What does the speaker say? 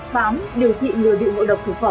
phám điều trị người bị ngộ độc thực phẩm